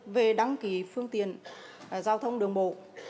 về đăng ký phương tiện giao thông đường bộ